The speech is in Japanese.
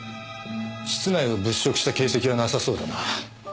室内を物色した形跡はなさそうだな。